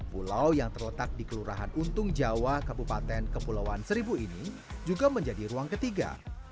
pulau yang terletak di kelurahan untung jawa kabupaten kepulauan seribu ini juga menjadi ruang ketiga